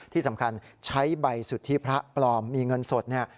ที่สำคัญใช้ใบสุทธิพระปลอมมีเงินสดเนี่ย